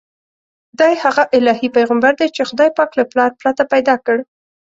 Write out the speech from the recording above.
دی هغه الهي پیغمبر دی چې خدای پاک له پلار پرته پیدا کړ.